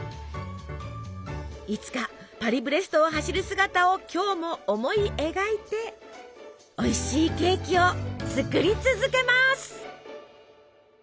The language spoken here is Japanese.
いつかパリブレストを走る姿を今日も思い描いておいしいケーキを作り続けます！